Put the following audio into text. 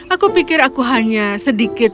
aku pikir aku hanya sedikit